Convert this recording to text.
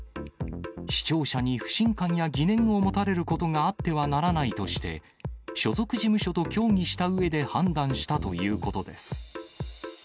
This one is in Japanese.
視聴者に不信感や疑念を持たれることがあってはならないとして、所属事務所と協議したうえで判断したということです。